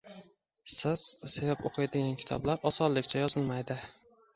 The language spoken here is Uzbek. Siz sevib o‘qiydigan kitoblar osonlikcha yozilmaydi